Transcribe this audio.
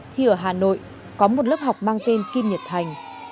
thì ở hà nội có một lớp học mang tên kim nhật thành